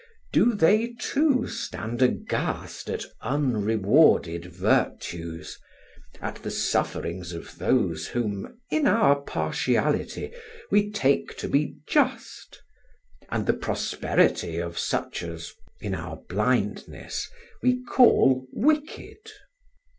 do they, too, stand aghast at unrewarded virtues, at the sufferings of those whom, in our partiality, we take to be just, and the prosperity of such as, in our blindness, we call wicked?